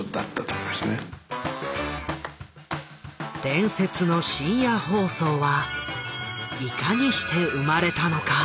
伝説の深夜放送はいかにして生まれたのか？